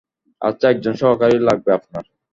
আচ্ছা, একজন সহকারী লাগবে আপনার?